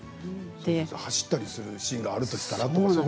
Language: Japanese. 走ったりするシーンがあるとしたらとか。